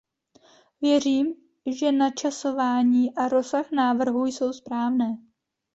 Věřím, že načasování a rozsah návrhu jsou správné.